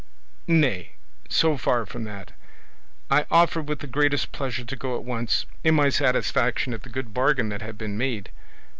Nay; so far from that, I offered with the greatest pleasure to go at once, in my satisfaction at the good bargain that had been made.